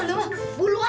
bukan bulu kan